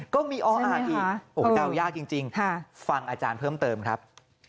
ก็มีออ่างอีกโอ้โหเดายากจริงฟังอาจารย์เพิ่มเติมครับ